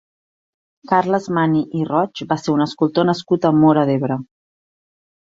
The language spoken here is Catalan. Carles Mani i Roig va ser un escultor nascut a Móra d'Ebre.